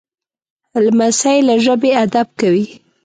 لمسی له ژبې ادب کوي.